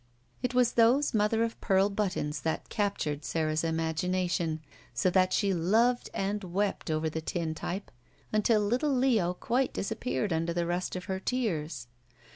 It was those mother of pearl buttons that captured Sara's imagination so that she loved and wept over the tintype until little Leo quite disappeared under the rust of her tears.